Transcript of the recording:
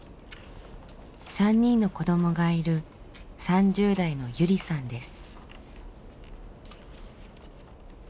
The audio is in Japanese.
３人の子どもがいる３０代のゆりさんです。